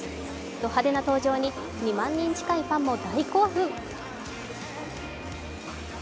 ど派手な登場に２万人近いファンも大興奮。